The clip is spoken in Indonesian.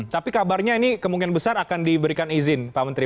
tapi kabarnya ini kemungkinan besar akan diberikan izin pak menteri